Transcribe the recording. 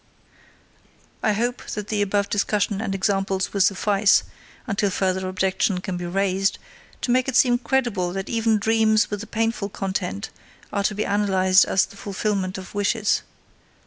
I hope that the above discussion and examples will suffice until further objection can be raised to make it seem credible that even dreams with a painful content are to be analyzed as the fulfillments of wishes.